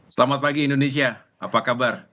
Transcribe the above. selamat pagi indonesia apa kabar